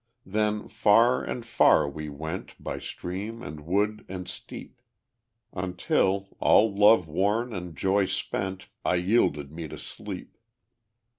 Then far and far we went By stream and wood and steep, Until, all love worn and joy spent, I yielded me to sleep.